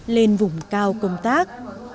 lên vùng cao công tác